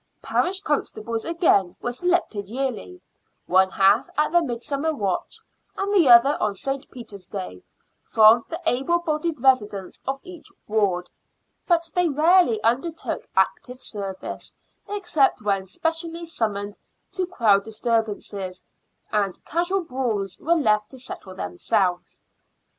Parish constables, again, were selected yearly — one half at the Midsummer Watch, and the others on St. Peter's Day — from the able bodied residents of each ward ; but they rarely undertook active service except when specially summoned to quell disturbances, and casual brawls were left to settle them selves.